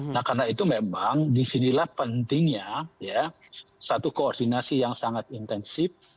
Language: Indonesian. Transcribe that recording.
nah karena itu memang disinilah pentingnya satu koordinasi yang sangat intensif